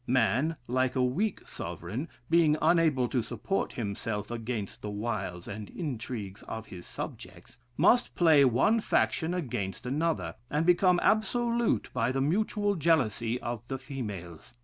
Man, like a weak sovereign, being unable to support himself against the wiles and intrigues of his subjects, must play one faction against another, and become absolute by the mutual jealousy of the females.